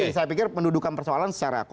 jadi saya pikir pendudukan persoalan secara